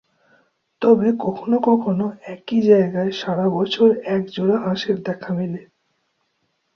তবে কখনও কখনও একই জায়গায় সারা বছর এক জোড়া হাঁসের দেখা মেলে।